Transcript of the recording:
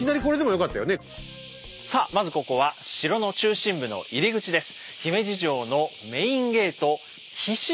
さあまずここは城の中心部の入り口です。